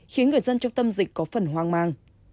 khiến người dân trung tâm dịch có phần hoang mang